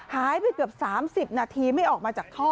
หายไปเกือบ๓๐นาทีไม่ออกมาจากท่อ